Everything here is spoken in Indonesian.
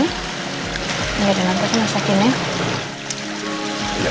nggak ada nangkutnya masakin ya